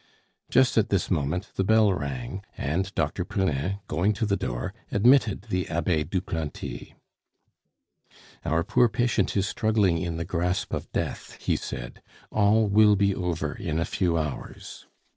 Just at this moment the bell rang, and Dr. Poulain, going to the door, admitted the Abbe Duplanty. "Our poor patient is struggling in the grasp of death," he said. "All will be over in a few hours.